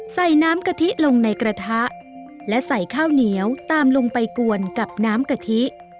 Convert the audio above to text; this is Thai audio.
ใส่น้ำกะทิลงในกระทะและใส่ข้าวเหนียวตามลงไปกวนกับน้ำกะทิ